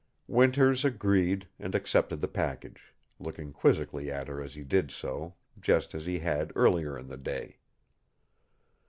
Winters agreed and accepted the package, looking quizzically at her as he did so, just as he had earlier in the day.